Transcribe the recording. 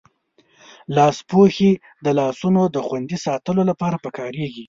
لاسپوښي د لاسونو دخوندي ساتلو لپاره پکاریږی.